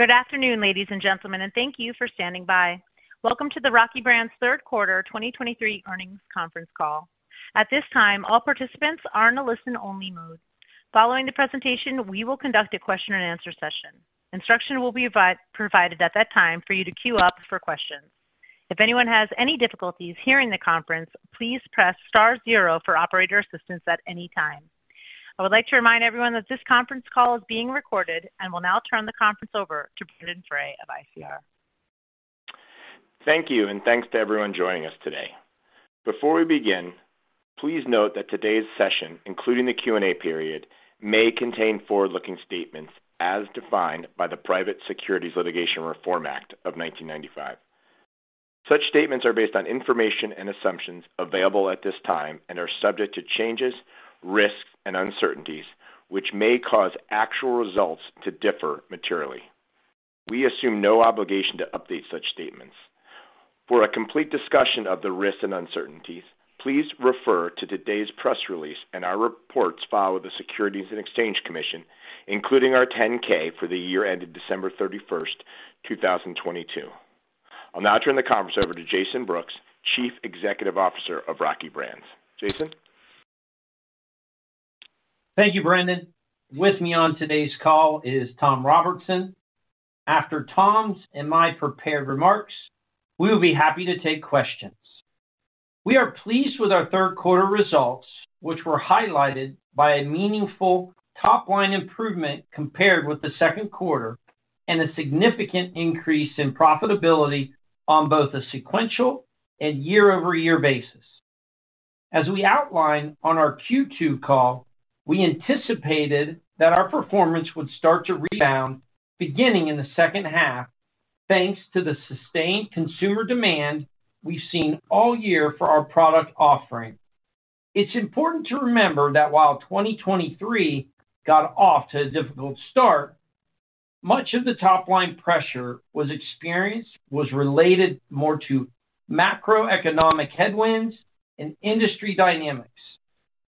Good afternoon, ladies and gentlemen, and thank you for standing by. Welcome to the Rocky Brands third quarter 2023 earnings conference call. At this time, all participants are in a listen-only mode. Following the presentation, we will conduct a question-and-answer session. Instructions will be provided at that time for you to queue up for questions. If anyone has any difficulties hearing the conference, please press star zero for operator assistance at any time. I would like to remind everyone that this conference call is being recorded and will now turn the conference over to Brendon Frey of ICR. Thank you, and thanks to everyone joining us today. Before we begin, please note that today's session, including the Q&A period, may contain forward-looking statements as defined by the Private Securities Litigation Reform Act of 1995. Such statements are based on information and assumptions available at this time and are subject to changes, risks, and uncertainties, which may cause actual results to differ materially. We assume no obligation to update such statements. For a complete discussion of the risks and uncertainties, please refer to today's press release and our reports filed with the Securities and Exchange Commission, including our 10-K for the year ended December 31, 2022. I'll now turn the conference over to Jason Brooks, Chief Executive Officer of Rocky Brands. Jason? Thank you, Brendon. With me on today's call is Tom Robertson. After Tom's and my prepared remarks, we will be happy to take questions. We are pleased with our third quarter results, which were highlighted by a meaningful top-line improvement compared with the second quarter and a significant increase in profitability on both a sequential and year-over-year basis. As we outlined on our Q2 call, we anticipated that our performance would start to rebound beginning in the second half, thanks to the sustained consumer demand we've seen all year for our product offering. It's important to remember that while 2023 got off to a difficult start, much of the top-line pressure was related more to macroeconomic headwinds and industry dynamics,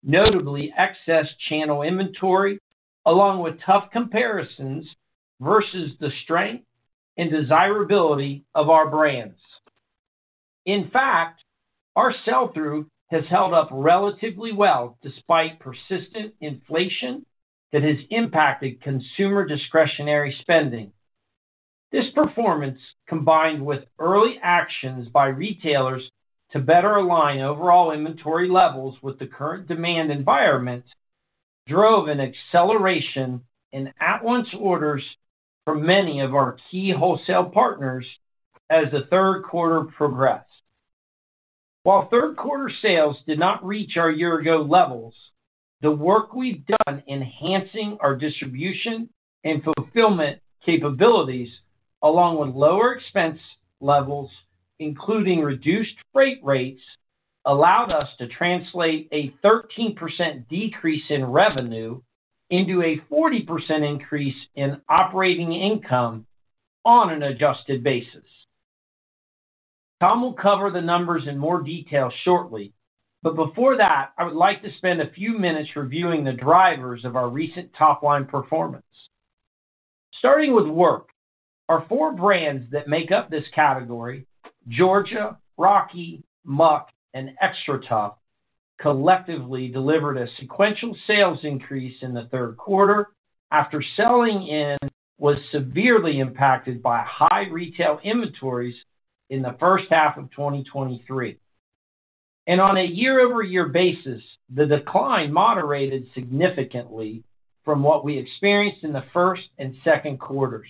notably excess channel inventory, along with tough comparisons versus the strength and desirability of our brands. In fact, our sell-through has held up relatively well, despite persistent inflation that has impacted consumer discretionary spending. This performance, combined with early actions by retailers to better align overall inventory levels with the current demand environment, drove an acceleration in at-once orders for many of our key wholesale partners as the third quarter progressed. While third quarter sales did not reach our year ago levels, the work we've done in enhancing our distribution and fulfillment capabilities, along with lower expense levels, including reduced freight rates, allowed us to translate a 13% decrease in revenue into a 40% increase in operating income on an adjusted basis. Tom will cover the numbers in more detail shortly, but before that, I would like to spend a few minutes reviewing the drivers of our recent top-line performance. Starting with work, our four brands that make up this category, Georgia, Rocky, Muck, and XTRATUF, collectively delivered a sequential sales increase in the third quarter after sell-in was severely impacted by high retail inventories in the first half of 2023. On a year-over-year basis, the decline moderated significantly from what we experienced in the first and second quarters.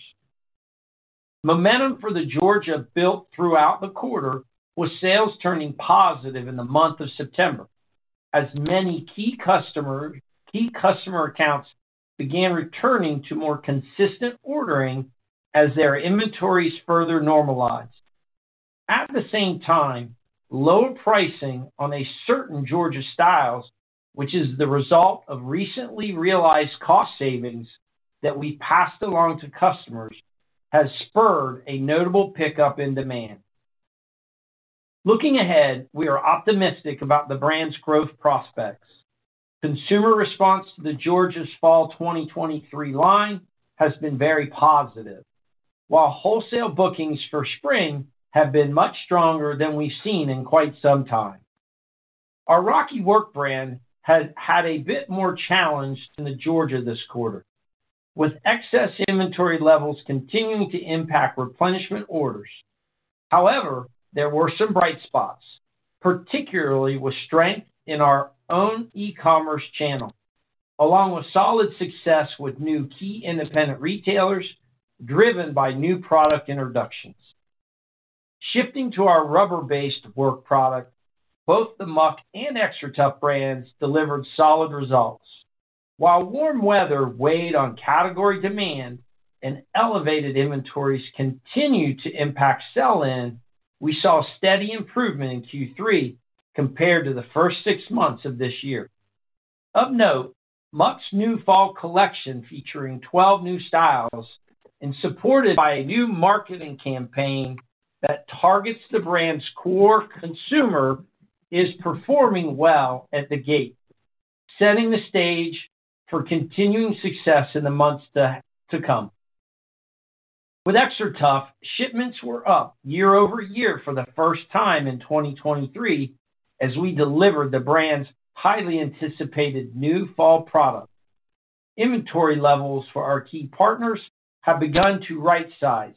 Momentum for the Georgia built throughout the quarter, with sales turning positive in the month of September, as many key customer accounts began returning to more consistent ordering as their inventories further normalized. At the same time, lower pricing on certain Georgia styles, which is the result of recently realized cost savings that we passed along to customers, has spurred a notable pickup in demand. Looking ahead, we are optimistic about the brand's growth prospects. Consumer response to the Georgia's Fall 2023 line has been very positive, while wholesale bookings for spring have been much stronger than we've seen in quite some time. Our Rocky Work brand has had a bit more challenge than the Georgia Boot this quarter, with excess inventory levels continuing to impact replenishment orders. However, there were some bright spots, particularly with strength in our own e-commerce channel, along with solid success with new key independent retailers driven by new product introductions. Shifting to our rubber-based work product, both the Muck and XTRATUF brands delivered solid results. While warm weather weighed on category demand and elevated inventories continued to impact sell-in, we saw a steady improvement in Q3 compared to the first six months of this year. Of note, Muck's new fall collection, featuring 12 new styles and supported by a new marketing campaign that targets the brand's core consumer, is performing well at the gate, setting the stage for continuing success in the months to come. With XTRATUF, shipments were up year-over-year for the first time in 2023, as we delivered the brand's highly anticipated new fall product. Inventory levels for our key partners have begun to right size,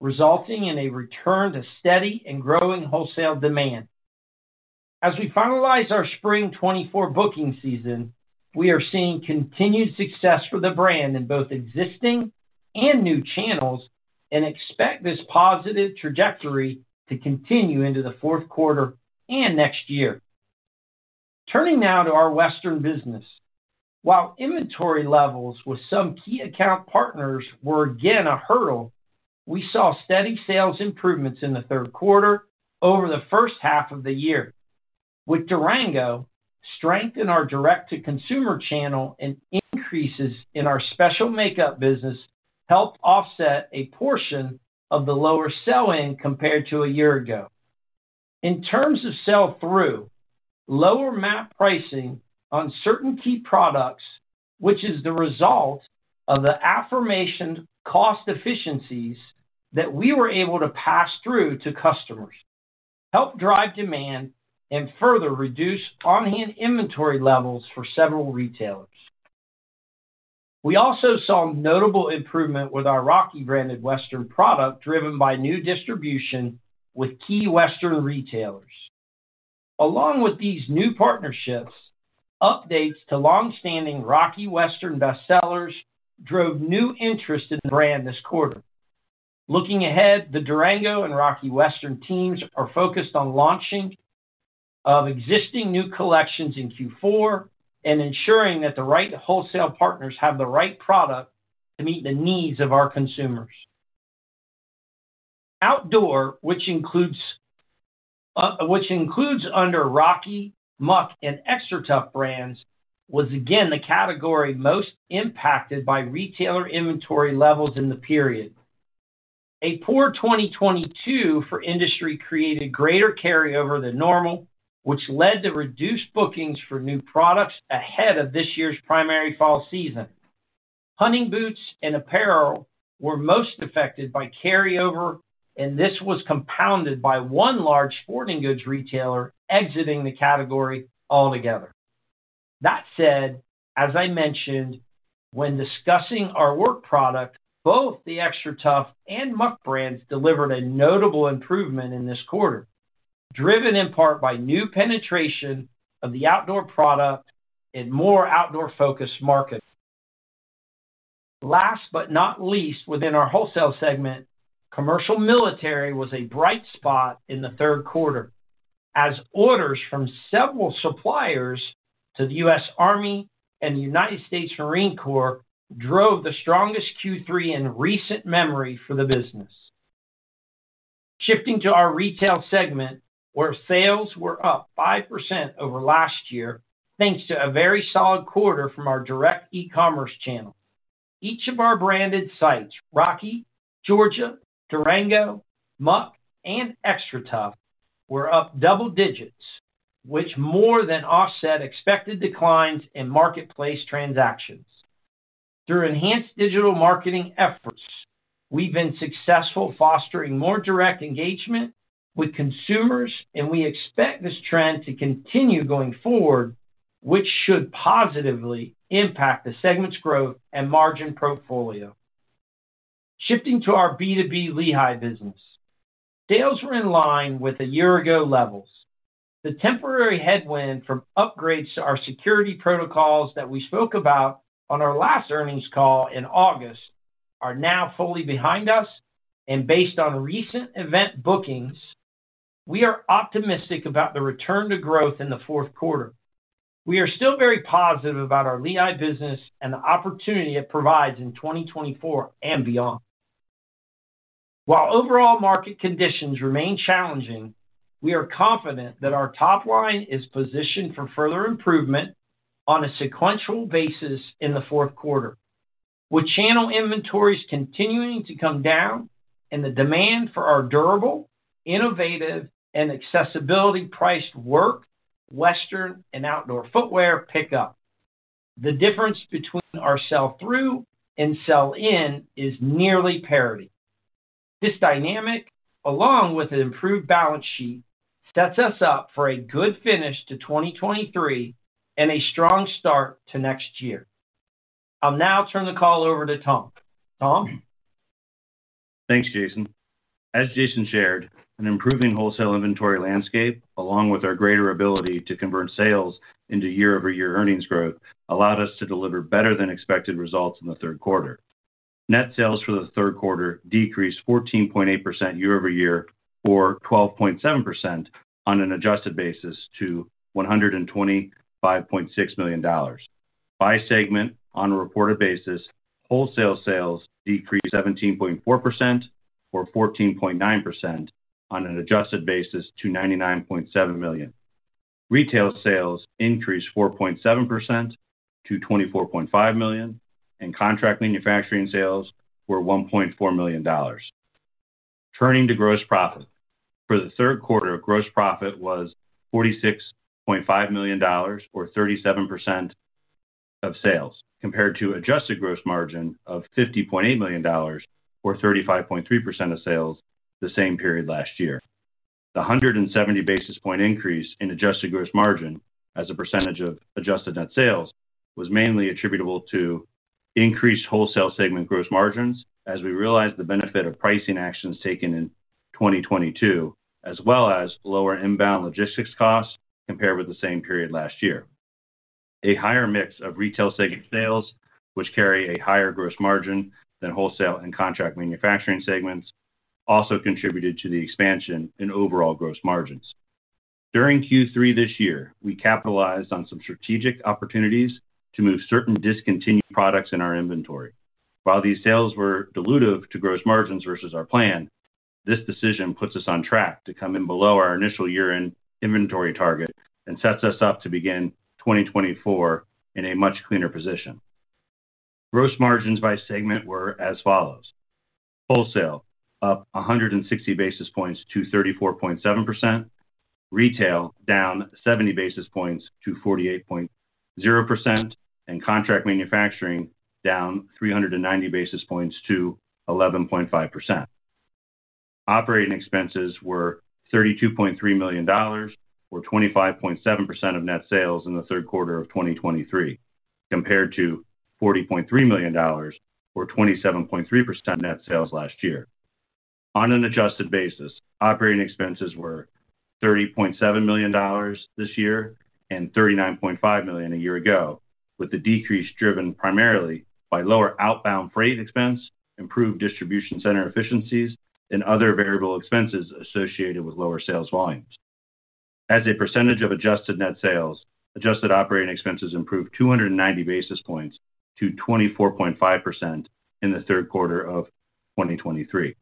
resulting in a return to steady and growing wholesale demand. As we finalize our spring 2024 booking season, we are seeing continued success for the brand in both existing and new channels, and expect this positive trajectory to continue into the fourth quarter and next year. Turning now to our western business. While inventory levels with some key account partners were again a hurdle, we saw steady sales improvements in the third quarter over the first half of the year. With Durango, strength in our Direct-to-Consumer channel and increases in our special makeup business helped offset a portion of the lower sell-In compared to a year ago. In terms of sell-through, lower MAP Pricing on certain key products, which is the result of the aforementioned cost efficiencies that we were able to pass through to customers, helped drive demand and further reduce on-hand inventory levels for several retailers. We also saw notable improvement with our Rocky branded western product, driven by new distribution with key western retailers. Along with these new partnerships, updates to long-standing Rocky western bestsellers drove new interest in the brand this quarter. Looking ahead, the Durango and Rocky western teams are focused on launching of existing new collections in Q4 and ensuring that the right wholesale partners have the right product to meet the needs of our consumers. Outdoor, which includes, which includes under Rocky, Muck, and XTRATUF brands, was again the category most impacted by retailer inventory levels in the period. A poor 2022 for industry created greater carryover than normal, which led to reduced bookings for new products ahead of this year's primary fall season. Hunting boots and apparel were most affected by carryover, and this was compounded by one large sporting goods retailer exiting the category altogether. That said, as I mentioned when discussing our work product, both the XTRATUF and Muck brands delivered a notable improvement in this quarter, driven in part by new penetration of the outdoor product in more outdoor-focused markets. Last but not least, within our wholesale segment, commercial military was a bright spot in the third quarter, as orders from several suppliers to the US Army and the United States Marine Corps drove the strongest Q3 in recent memory for the business. Shifting to our retail segment, where sales were up 5% over last year, thanks to a very solid quarter from our direct e-commerce channel. Each of our branded sites, Rocky, Georgia, Durango, Muck, and XTRATUF, were up double digits, which more than offset expected declines in marketplace transactions. Through enhanced digital marketing efforts, we've been successful fostering more direct engagement with consumers, and we expect this trend to continue going forward, which should positively impact the segment's growth and margin portfolio. Shifting to our B2B Lehigh business. Sales were in line with the year-ago levels. The temporary headwind from upgrades to our security protocols that we spoke about on our last earnings call in August are now fully behind us, and based on recent event bookings, we are optimistic about the return to growth in the fourth quarter. We are still very positive about our Lehigh business and the opportunity it provides in 2024 and beyond. While overall market conditions remain challenging, we are confident that our top line is positioned for further improvement on a sequential basis in the fourth quarter, with channel inventories continuing to come down and the demand for our durable, innovative, and accessibility priced work, western and outdoor footwear pick up. The difference between our sell-through and sell-in is nearly parity. This dynamic, along with an improved balance sheet, sets us up for a good finish to 2023 and a strong start to next year. I'll now turn the call over to Tom. Tom? Thanks, Jason. As Jason shared, an improving wholesale inventory landscape, along with our greater ability to convert sales into year-over-year earnings growth, allowed us to deliver better than expected results in the third quarter. Net sales for the third quarter decreased 14.8% year-over-year, or 12.7% on an adjusted basis, to $125.6 million. By segment, on a reported basis, wholesale sales decreased 17.4% or 14.9% on an adjusted basis to $99.7 million. Retail sales increased 4.7% to $24.5 million, and contract manufacturing sales were $1.4 million. Turning to gross profit. For the third quarter, gross profit was $46.5 million, or 37% of sales, compared to adjusted gross margin of $50.8 million, or 35.3% of sales the same period last year. The 170 basis point increase in adjusted gross margin as a percentage of adjusted net sales was mainly attributable to increased wholesale segment gross margins, as we realized the benefit of pricing actions taken in 2022, as well as lower inbound logistics costs compared with the same period last year. A higher mix of retail segment sales, which carry a higher gross margin than wholesale and contract manufacturing segments, also contributed to the expansion in overall gross margins. During Q3 this year, we capitalized on some strategic opportunities to move certain discontinued products in our inventory. While these sales were dilutive to gross margins versus our plan, this decision puts us on track to come in below our initial year-end inventory target and sets us up to begin 2024 in a much cleaner position. Gross margins by segment were as follows: wholesale, up 160 basis points to 34.7%; retail, down 70 basis points to 48.0%. And contract manufacturing, down 390 basis points to 11.5%. Operating expenses were $32.3 million, or 25.7% of net sales in the third quarter of 2023, compared to $40.3 million, or 27.3% net sales last year. On an adjusted basis, operating expenses were $30.7 million this year and $39.5 million a year ago, with the decrease driven primarily by lower outbound freight expense, improved distribution center efficiencies, and other variable expenses associated with lower sales volumes. As a percentage of adjusted net sales, adjusted operating expenses improved 290 basis points to 24.5% in the third quarter of 2023.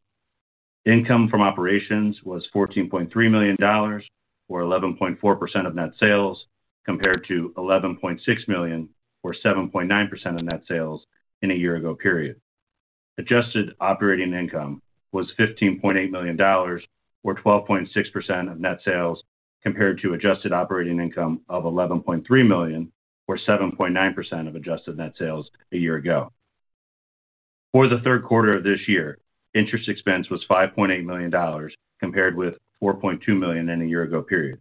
Income from operations was $14.3 million, or 11.4% of net sales, compared to $11.6 million, or 7.9% of net sales in a year ago period. Adjusted operating income was $15.8 million, or 12.6% of net sales, compared to adjusted operating income of $11.3 million, or 7.9% of adjusted net sales a year ago. For the third quarter of this year, interest expense was $5.8 million, compared with $4.2 million in a year ago period.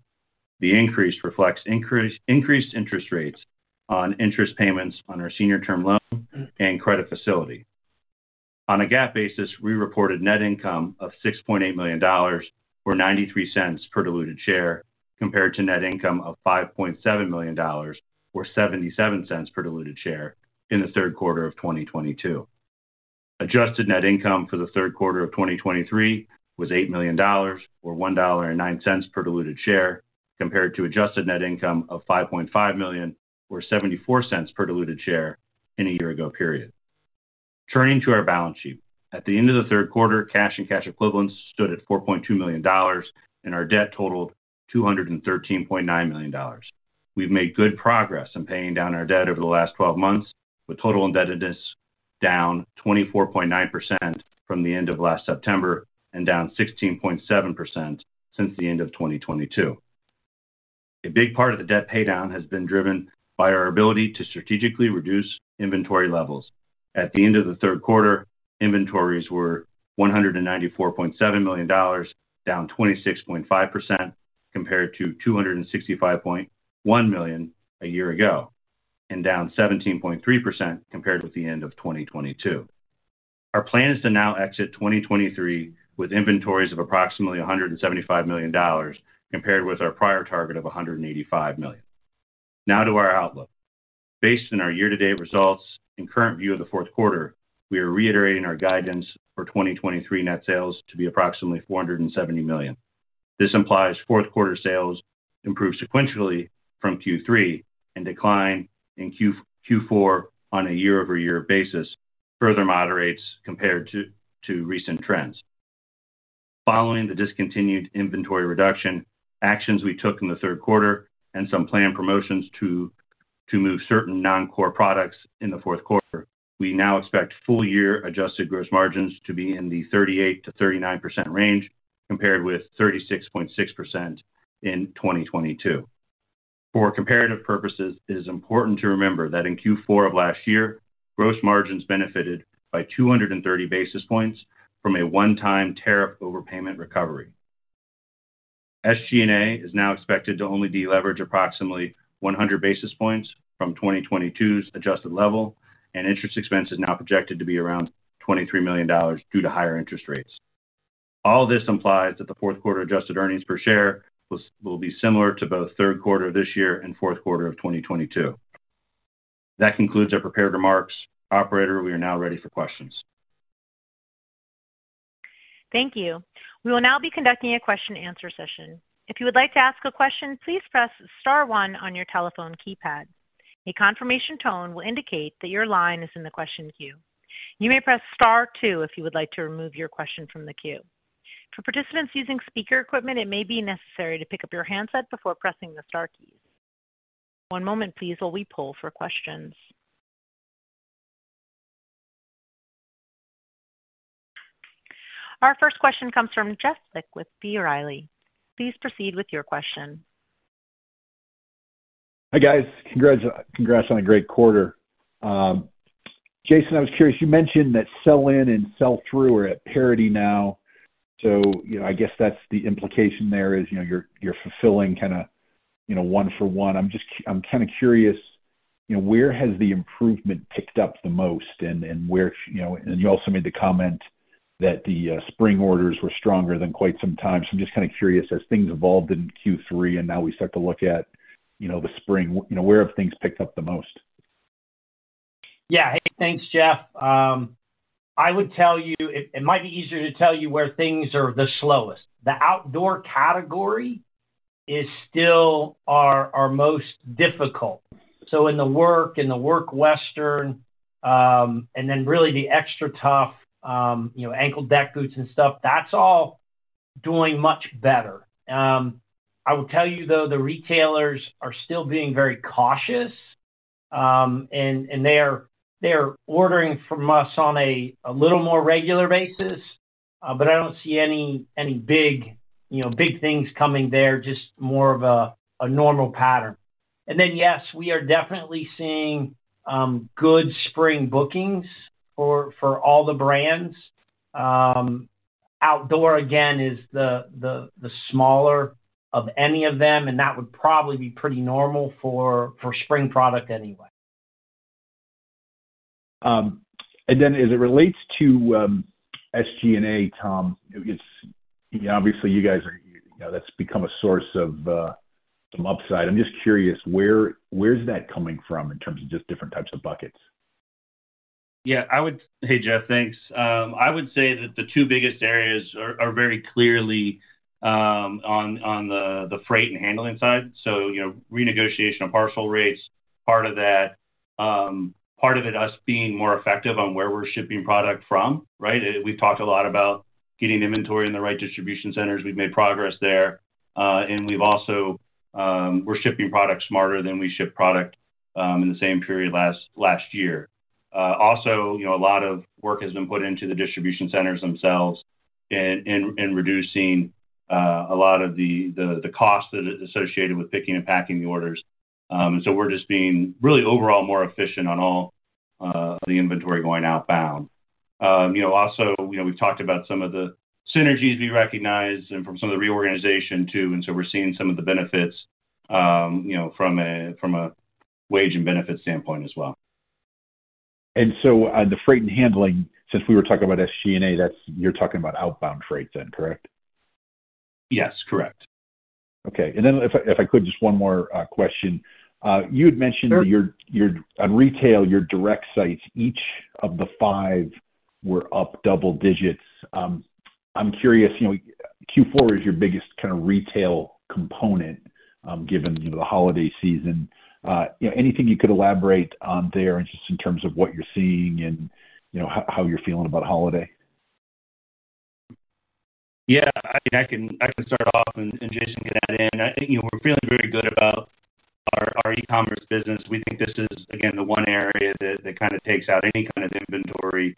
The increase reflects increased interest rates on interest payments on our senior term loan and credit facility. On a GAAP basis, we reported net income of $6.8 million, or $0.93 per diluted share, compared to net income of $5.7 million, or $0.77 per diluted share in the third quarter of 2022. Adjusted net income for the third quarter of 2023 was $8 million, or $1.09 per diluted share, compared to adjusted net income of $5.5 million, or $0.74 per diluted share in a year ago period. Turning to our balance sheet. At the end of the third quarter, cash and cash equivalents stood at $4.2 million, and our debt totaled $213.9 million. We've made good progress in paying down our debt over the last twelve months, with total indebtedness down 24.9% from the end of last September and down 16.7% since the end of 2022. A big part of the debt paydown has been driven by our ability to strategically reduce inventory levels. At the end of the third quarter, inventories were $194.7 million, down 26.5% compared to $265.1 million a year ago, and down 17.3% compared with the end of 2022. Our plan is to now exit 2023 with inventories of approximately $175 million, compared with our prior target of $185 million. Now to our outlook. Based on our year-to-date results and current view of the fourth quarter, we are reiterating our guidance for 2023 net sales to be approximately $470 million. This implies fourth quarter sales improve sequentially from Q3 and decline in Q4 on a year-over-year basis, further moderates compared to recent trends. Following the discontinued inventory reduction actions we took in the third quarter and some planned promotions to move certain non-core products in the fourth quarter, we now expect full year adjusted gross margins to be in the 38%-39% range, compared with 36.6% in 2022. For comparative purposes, it is important to remember that in Q4 of last year, gross margins benefited by 230 basis points from a one-time tariff overpayment recovery. SG&A is now expected to only deleverage approximately 100 basis points from 2022's adjusted level, and interest expense is now projected to be around $23 million due to higher interest rates. All this implies that the fourth quarter adjusted earnings per share will be similar to both third quarter this year and fourth quarter of 2022. That concludes our prepared remarks. Operator, we are now ready for questions. Thank you. We will now be conducting a question and answer session. If you would like to ask a question, please press star one on your telephone keypad. A confirmation tone will indicate that your line is in the question queue. You may press star two if you would like to remove your question from the queue. For participants using speaker equipment, it may be necessary to pick up your handset before pressing the star keys. One moment please while we poll for questions. Our first question comes from Jeff Lick with B. Riley. Please proceed with your question. Hi, guys. Congrats, congrats on a great quarter. Jason, I was curious, you mentioned that sell-in and sell-through are at parity now. So, you know, I guess that's the implication there is, you know, you're, you're fulfilling kinda, you know, one for one. I'm just, I'm kinda curious, you know, where has the improvement picked up the most, and, and where. You know, and you also made the comment that the spring orders were stronger than quite some time. So I'm just kinda curious, as things evolved in Q3, and now we start to look at, you know, the spring, you know, where have things picked up the most? Yeah. Hey, thanks, Jeff. I would tell you it might be easier to tell you where things are the slowest. The outdoor category is still our most difficult. So in the work western, and then really the XTRATUF, you know, ankle deck boots and stuff, that's all doing much better. I will tell you, though, the retailers are still being very cautious, and they are ordering from us on a little more regular basis, but I don't see any big, you know, big things coming there, just more of a normal pattern. And then, yes, we are definitely seeing good spring bookings for all the brands. Outdoor, again, is the smaller of any of them, and that would probably be pretty normal for spring product anyway. And then as it relates to SG&A, Tom, it's, you know, obviously, you guys are... You know, that's become a source of some upside. I'm just curious, where, where's that coming from in terms of just different types of buckets? Yeah. Hey, Jeff, thanks. I would say that the two biggest areas are very clearly on the freight and handling side. So, you know, renegotiation of parcel rates, part of that. Part of it, us being more effective on where we're shipping product from, right? We've talked a lot about getting inventory in the right distribution centers. We've made progress there. And we've also, we're shipping products smarter than we shipped product in the same period last year. Also, you know, a lot of work has been put into the distribution centers themselves in reducing a lot of the costs associated with picking and packing the orders. So we're just being really overall more efficient on all the inventory going outbound. You know, also, you know, we've talked about some of the synergies we recognize and from some of the reorganization, too, and so we're seeing some of the benefits, you know, from a wage and benefit standpoint as well. The freight and handling, since we were talking about SG&A, that's, you're talking about outbound freight then, correct? Yes, correct. Okay. And then if I, if I could, just one more question. You had mentioned- Sure... your on retail, your direct sites, each of the five were up double digits. I'm curious, you know, Q4 is your biggest kinda retail component, given, you know, the holiday season. You know, anything you could elaborate on there, and just in terms of what you're seeing and, you know, how you're feeling about holiday? Yeah, I mean, I can start off, and Jason can add in. I think, you know, we're feeling very good about our e-commerce business. We think this is, again, the one area that kinda takes out any kind of inventory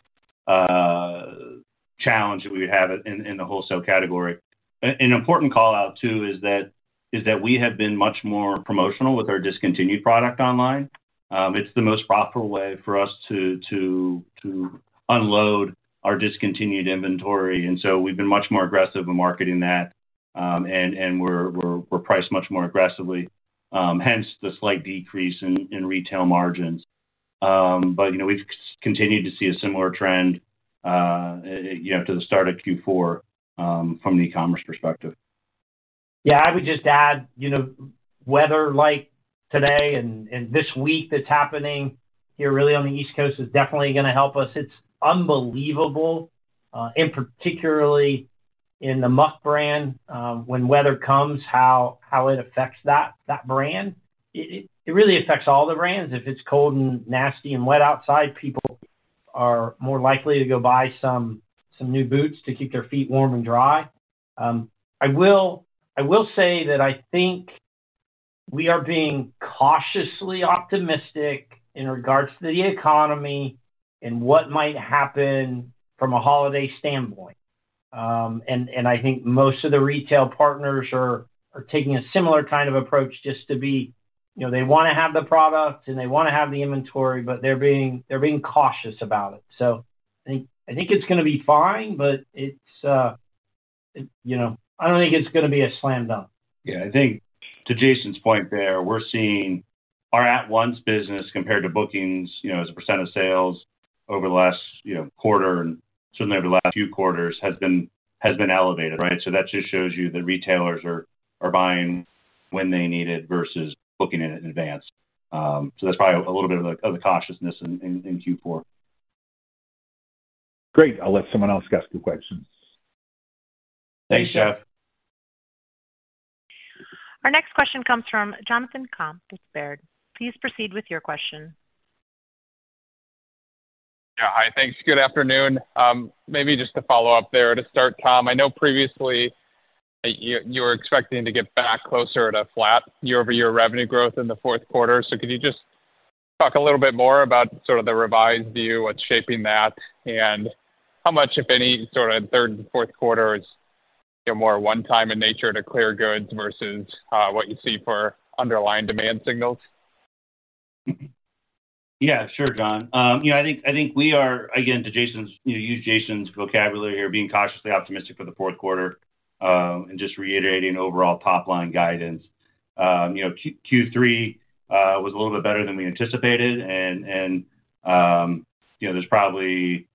challenge that we have in the wholesale category. An important call-out, too, is that we have been much more promotional with our discontinued product online. It's the most profitable way for us to unload our discontinued inventory, and so we've been much more aggressive in marketing that. And we're priced much more aggressively, hence the slight decrease in retail margins. But, you know, we've continued to see a similar trend, you know, to the start of Q4, from the e-commerce perspective. Yeah, I would just add, you know, weather like today and this week that's happening here really on the East Coast is definitely gonna help us. It's unbelievable, and particularly in the Muck brand, when weather comes, how it affects that brand. It really affects all the brands. If it's cold and nasty and wet outside, people are more likely to go buy some new boots to keep their feet warm and dry. I will say that I think we are being cautiously optimistic in regards to the economy and what might happen from a holiday standpoint. I think most of the retail partners are taking a similar kind of approach, just to be, you know, they wanna have the product, and they wanna have the inventory, but they're being cautious about it. I think it's gonna be fine, but it's, you know, I don't think it's gonna be a slam dunk. Yeah, I think to Jason's point there, we're seeing our at-once business compared to bookings, you know, as a percent of sales over the last, you know, quarter and certainly over the last few quarters, has been elevated, right? So that just shows you that retailers are buying when they need it versus booking it in advance. So that's probably a little bit of the cautiousness in Q4. Great. I'll let someone else ask you questions. Thanks, Jeff. Thanks, Jeff. Our next question comes from Jonathan Komp with Baird. Please proceed with your question. Yeah. Hi, thanks. Good afternoon. Maybe just to follow up there, to start, Tom, I know previously. You, you were expecting to get back closer to flat year-over-year revenue growth in the fourth quarter. So could you just talk a little bit more about sort of the revised view, what's shaping that? And how much, if any, sort of third and fourth quarter is, you know, more one-time in nature to clear goods versus what you see for underlying demand signals? Yeah, sure, John. You know, I think, I think we are, again, to Jason's, gonna use Jason's vocabulary here, being cautiously optimistic for the fourth quarter, and just reiterating overall top-line guidance. You know, Q3 was a little bit better than we anticipated. And, you know, there's probably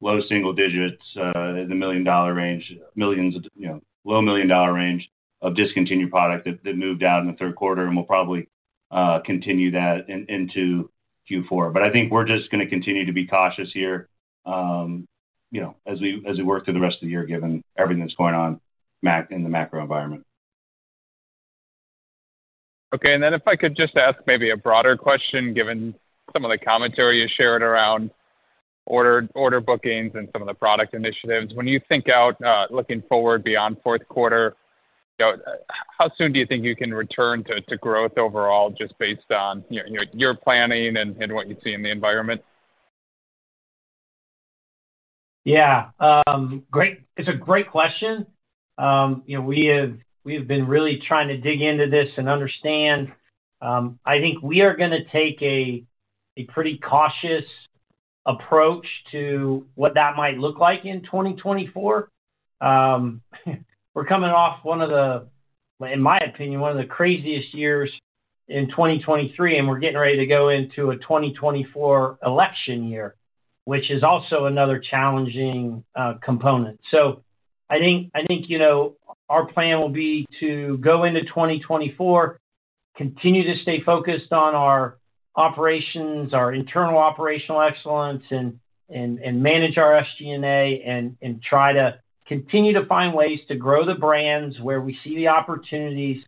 low single digits in the million-dollar range, millions of, you know, low million-dollar range of discontinued product that, that moved out in the third quarter, and we'll probably continue that into Q4. But I think we're just gonna continue to be cautious here, you know, as we, as we work through the rest of the year, given everything that's going on in the macro environment. Okay. And then if I could just ask maybe a broader question, given some of the commentary you shared around order, order bookings and some of the product initiatives. When you think out, looking forward beyond fourth quarter, you know, how soon do you think you can return to, to growth overall, just based on your, your, your planning and, and what you see in the environment? Yeah. Great. It's a great question. You know, we have been really trying to dig into this and understand. I think we are gonna take a pretty cautious approach to what that might look like in 2024. We're coming off one of the, in my opinion, one of the craziest years in 2023, and we're getting ready to go into a 2024 election year, which is also another challenging component. So I think, you know, our plan will be to go into 2024, continue to stay focused on our operations, our internal operational excellence, and manage our SG&A, and try to continue to find ways to grow the brands where we see the opportunities.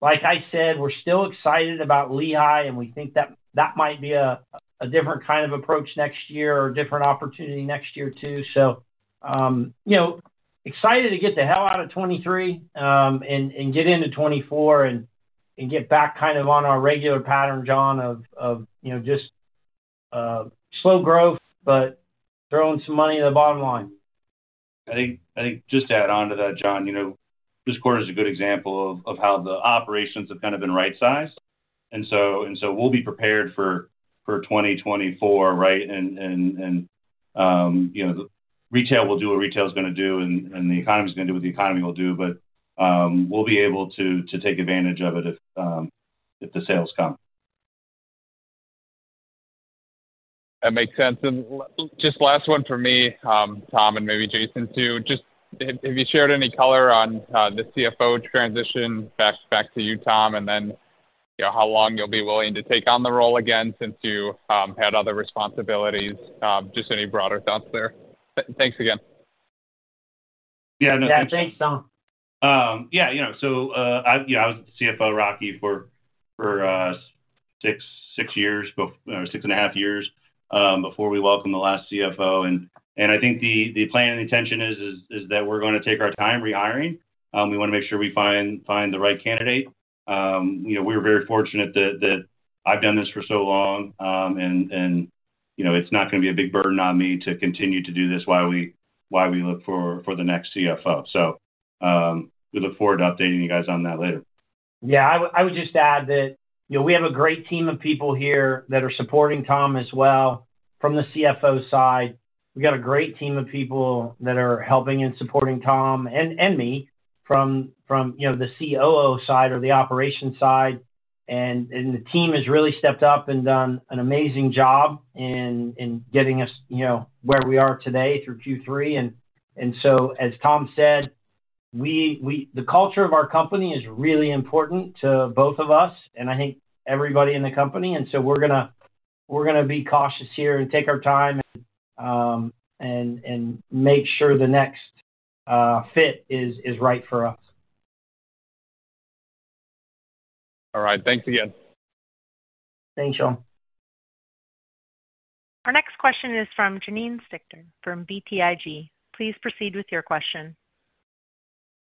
Like I said, we're still excited about Lehigh, and we think that that might be a different kind of approach next year or a different opportunity next year, too. So, you know, excited to get the hell out of 2023, and get into 2024, and get back kind of on our regular pattern, John, of you know, just slow growth, but throwing some money at the bottom line. I think, I think just to add on to that, John, you know, this quarter is a good example of how the operations have kind of been right-sized, and so we'll be prepared for 2024, right? And you know, the retail will do what retail's gonna do, and the economy is gonna do what the economy will do, but we'll be able to take advantage of it if the sales come. That makes sense. Just last one for me, Tom, and maybe Jason, too. Have you shared any color on the CFO transition back to you, Tom? And then, you know, how long you'll be willing to take on the role again, since you had other responsibilities? Just any broader thoughts there. Thanks again. Yeah, nothing Yeah, thanks, Tom. Yeah, you know, I was the CFO at Rocky for 6 years before—or 6.5 years—before we welcomed the last CFO. I think the plan and intention is that we're gonna take our time rehiring. We wanna make sure we find the right candidate. You know, we're very fortunate that I've done this for so long. You know, it's not gonna be a big burden on me to continue to do this while we look for the next CFO. We look forward to updating you guys on that later. Yeah, I would just add that, you know, we have a great team of people here that are supporting Tom as well from the CFO side. We've got a great team of people that are helping and supporting Tom and me from, you know, the COO side or the operations side. The team has really stepped up and done an amazing job in getting us, you know, where we are today through Q3. And so, as Tom said, the culture of our company is really important to both of us and I think everybody in the company. And so we're gonna be cautious here and take our time and make sure the next fit is right for us. All right. Thanks again. Thanks, John. Our next question is from Janine Stichter from BTIG. Please proceed with your question.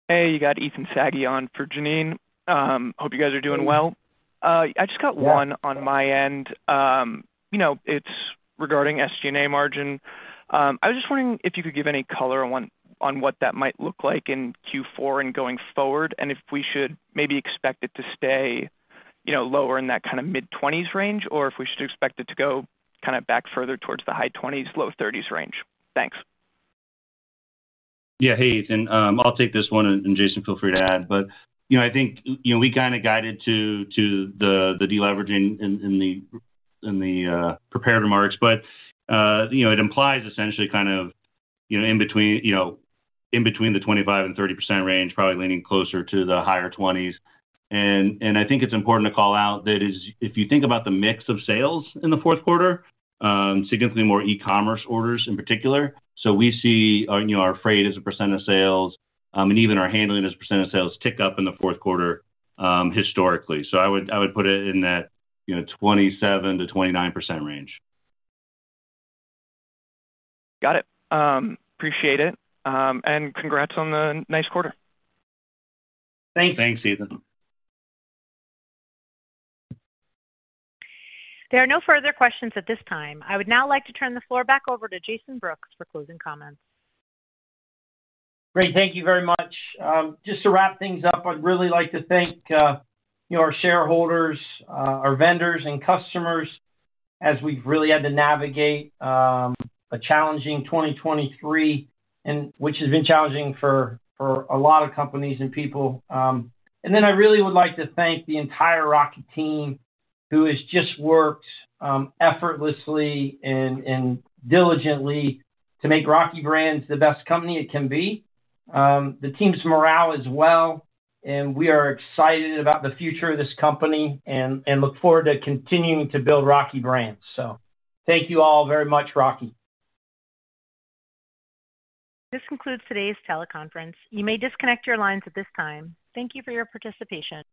Hey, you got Ethan Saghi on for Janie. Hope you guys are doing well. Hey. I just got one- Yeah... on my end. You know, it's regarding SG&A margin. I was just wondering if you could give any color on what that might look like in Q4 and going forward, and if we should maybe expect it to stay, you know, lower in that kind of mid-20s range, or if we should expect it to go kind of back further towards the high 20s, low 30s range. Thanks. Yeah. Hey, Ethan, I'll take this one, and, Jason, feel free to add. But, you know, I think, you know, we kind of guided to the deleveraging in the prepared remarks, but, you know, it implies essentially kind of, you know, in between, you know, in between the 25%-30% range, probably leaning closer to the higher 20s. And, I think it's important to call out that, if you think about the mix of sales in the fourth quarter, significantly more e-commerce orders in particular. So we see, you know, our freight as a percent of sales, and even our handling as a percent of sales tick up in the fourth quarter, historically. So I would put it in that, you know, 27%-29% range. Got it. Appreciate it. And congrats on the nice quarter. Thanks. Thanks, Ethan. There are no further questions at this time. I would now like to turn the floor back over to Jason Brooks for closing comments. Great. Thank you very much. Just to wrap things up, I'd really like to thank, you know, our shareholders, our vendors, and customers, as we've really had to navigate a challenging 2023, and which has been challenging for a lot of companies and people. And then I really would like to thank the entire Rocky team, who has just worked effortlessly and diligently to make Rocky Brands the best company it can be. The team's morale is well, and we are excited about the future of this company and look forward to continuing to build Rocky Brands. So thank you all very much, Rocky. This concludes today's teleconference. You may disconnect your lines at this time. Thank you for your participation.